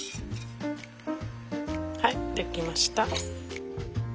はい出来ました。